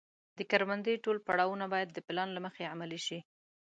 د کروندې ټول پړاوونه باید د پلان له مخې عملي شي.